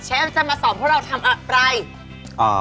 เชฟจะมาสอบพวกเราทำอะไร